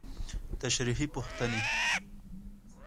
تشريحي پوښتنې: